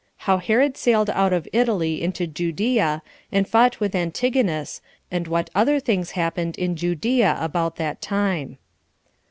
How Herod Sailed Out Of Italy To Judea, And Fought With Antigonus And What Other Things Happened In Judea About That Time.